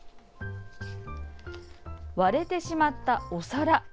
割れてしまったお皿。